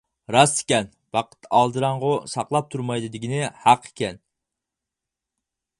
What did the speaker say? راست ئىكەن، «ۋاقىت ئالدىراڭغۇ ساقلاپ تۇرمايدۇ» دېگىنى ھەق ئىكەن.